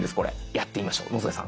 やってみましょう野添さん。